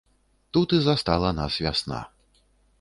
Тут і застала нас вясна.